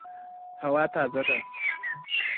هوا تازه ده